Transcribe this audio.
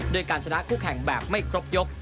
การชนะคู่แข่งแบบไม่ครบยก